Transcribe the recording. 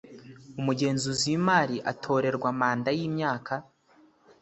Umugenzuzi w imari atorerwa manda y imyaka